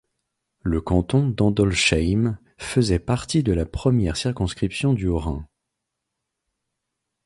Le canton d'Andolsheim faisait partie de la première circonscription du Haut-Rhin.